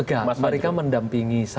enggak mereka mendampingi saya